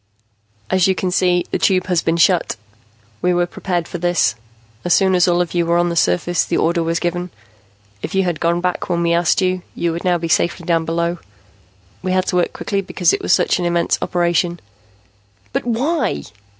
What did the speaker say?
"As you can see, the Tube has been shut. We were prepared for this. As soon as all of you were on the surface, the order was given. If you had gone back when we asked you, you would now be safely down below. We had to work quickly because it was such an immense operation." "But why?"